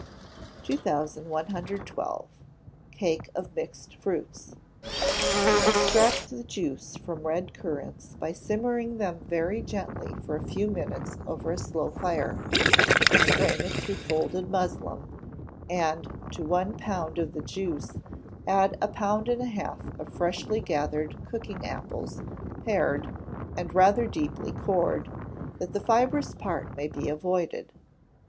2112. Cake of Mixed Fruits. Extract the juice from red currants by simmering them very gently for a few minutes over a slow fire; strain it through folded muslin, and to one pound of the juice add a pound and a half of freshly gathered cooking apples, pared, and rather deeply cored, that the fibrous part may be avoided.